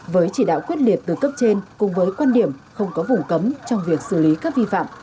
với chỉ đạo quyết liệt từ cấp trên cùng với quan điểm không có vùng cấm trong việc xử lý các vi phạm